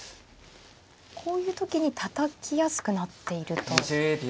こういう時にたたきやすくなっていると。